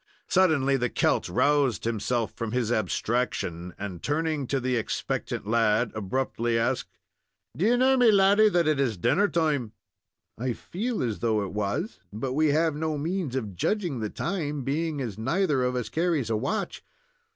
Suddenly the Celt roused himself from his abstraction, and, turning to the expectant lad, abruptly asked: "Do you know, me laddy, that it is dinner time?" "I feel as though it was, but we have no means of judging the time, being as neither of us carries a watch."